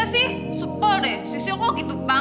si genut udah di alta tuh han